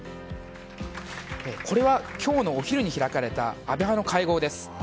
これは今日のお昼に開かれた安倍派の会合です。